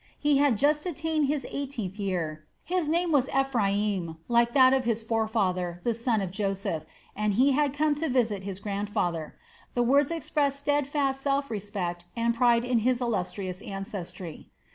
He had just attained his eighteenth year, his name was Ephraim, like that of his forefather, the son of Joseph, and he had come to visit his grandfather. The words expressed steadfast self respect and pride in his illustrious ancestry.